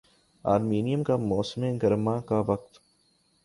Armenia کا موسم گرما کا وقت